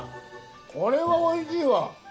これはおいしいわ！